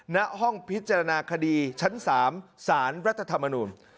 ณห้องพิจารณาคดีชั้น๓สารรัฐธรรมนูล